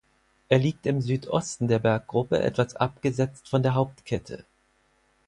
Er liegt im Südosten der Berggruppe etwas abgesetzt von der Hauptkette.